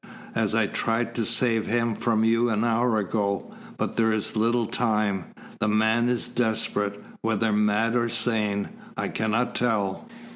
"As I tried to save him from you an hour ago. But there is little time. The man is desperate, whether mad or sane, I cannot tell.